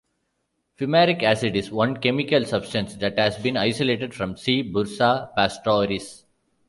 Fumaric acid is one chemical substance that has been isolated from "C. bursa-pastoris".